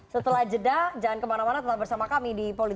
setelah jeda jangan kemana mana tetap bersama kami di politik